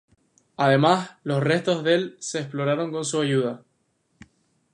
Además, los restos del se exploraron con su ayuda.